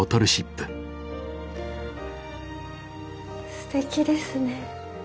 すてきですね。